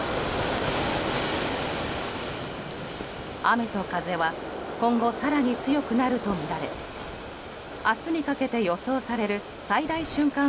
雨と風は今後、更に強くなるとみられ明日にかけて予想される最大瞬間